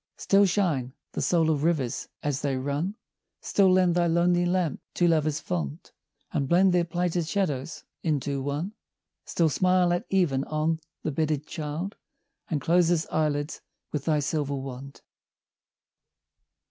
Still shine, the soul of rivers as they run, Still lend thy lonely lamp to lovers fond, And blend their plighted shadows into one: Still smile at even on the bedded child, And close his eyelids with thy silver wand!